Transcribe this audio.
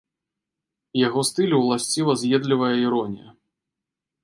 Яго стылю ўласціва з'едлівая іронія.